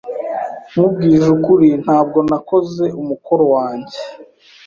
Nkubwije ukuri, ntabwo nakoze umukoro wanjye.